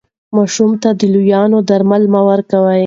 ماشوم ته د لویانو درمل مه ورکوئ.